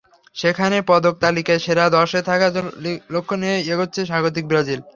সেখানে পদক তালিকার সেরা দশে থাকার লক্ষ্য নিয়েই এগোচ্ছে স্বাগতিক ব্রাজিল।